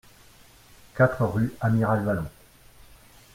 quatre rue Amiral Vallon